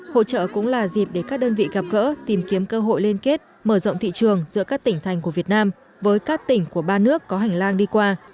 hội trợ cũng là dịp để các đơn vị gặp gỡ tìm kiếm cơ hội liên kết mở rộng thị trường giữa các tỉnh thành của việt nam với các tỉnh của ba nước có hành lang đi qua